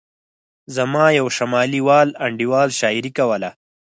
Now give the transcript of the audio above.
زما یو شمالي وال انډیوال شاعري کوله.